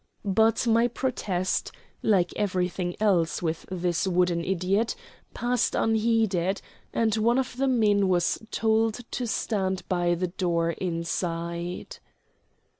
But my protest, like everything else with this wooden idiot, passed unheeded, and one of the men was told to stand by the door inside.